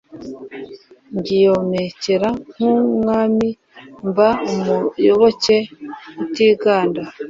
Nyigomokera nk' UmwamiMba umuyoboke utiganda